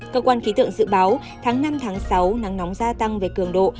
cơ quan ký tượng dự báo tháng năm sáu nắng nóng gia tăng về cường độ